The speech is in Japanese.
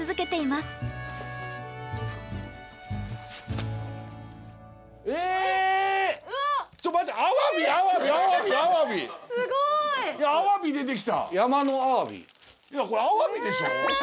すごい！えっこれアワビでしょ？